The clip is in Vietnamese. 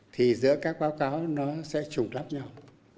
thì giữa các báo cáo nó sẽ trùng lắp nhau